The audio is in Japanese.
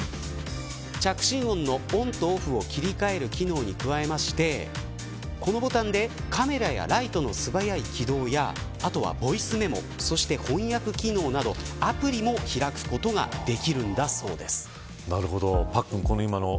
着信音のオンとオフを切り替える機能に加えましてこのボタンでカメラやライトの素早い機動やボイスメモや翻訳機能などアプリも開くことができるんだそうです。